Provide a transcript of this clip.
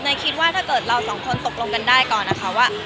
คิดว่าถ้าเกิดเราสองคนตกลงกันได้ก่อนนะคะว่า